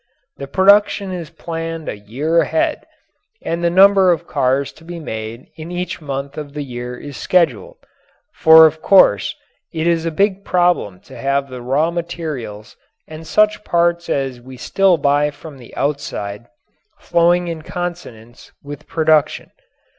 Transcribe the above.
The production is planned a year ahead and the number of cars to be made in each month of the year is scheduled, for of course it is a big problem to have the raw materials and such parts as we still buy from the outside flowing in consonance with production.